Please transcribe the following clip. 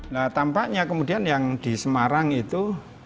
nah tampaknya kemudian yang di semarang itu